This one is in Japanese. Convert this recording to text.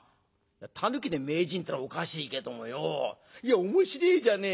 タヌキで名人ってのはおかしいけどもよいや面白えじゃねえか。